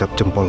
hanya apa lalu